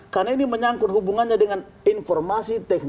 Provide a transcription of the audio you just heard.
karena ini menyangkut hubungannya dengan informasi